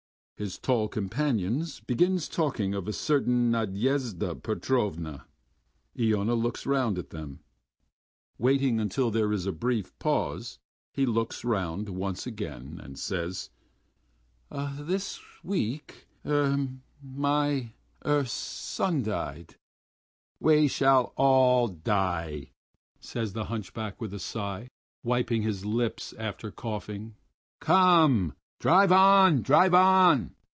His tall companions begin talking of a certain Nadyezhda Petrovna. Iona looks round at them. Waiting till there is a brief pause, he looks round once more and says: "This week... er... my... er... son died!" "We shall all die,..." says the hunchback with a sigh, wiping his lips after coughing. "Come, drive on! drive on!